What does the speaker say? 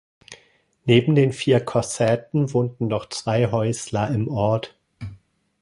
Neben den vier Kossäten wohnten noch zwei Häusler im Ort.